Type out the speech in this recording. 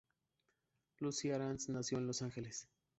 Lucie Arnaz nació en Los Ángeles.